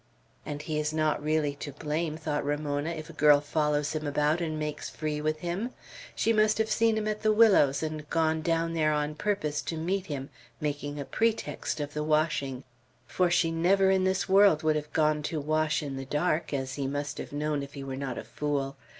"And he is not really to blame," thought Ramona, "if a girl follows him about and makes free with him. She must have seen him at the willows, and gone down there on purpose to meet him, making a pretext of the washing. For she never in this world would have gone to wash in the dark, as he must have known, if he were not a fool.